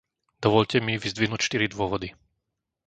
Dovoľte mi vyzdvihnúť štyri dôvody.